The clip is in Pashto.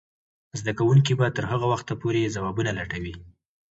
زده کوونکې به تر هغه وخته پورې ځوابونه لټوي.